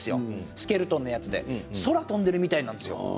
スケルトンのやつで空を飛んでいるみたいなんですよ。